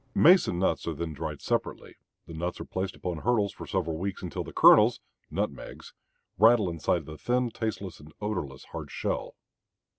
Mace and nuts are then dried separately. The nuts are placed upon hurdles for several weeks until the kernels, nutmegs, rattle inside of the thin, tasteless, and odorless hard shell.